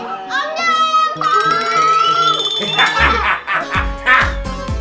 om jin datang